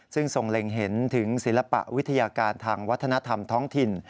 ซึ่งทรงเล็งเห็นถึงศิลปวิทยาการทางวัฒนธรรมท้องถิ่น